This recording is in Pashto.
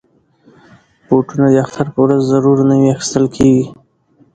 بوټونه د اختر په ورځ ضرور نوي اخیستل کېږي.